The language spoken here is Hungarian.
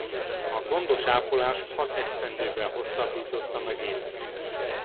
A gondos ápolás hat esztendővel hosszabbította meg életét.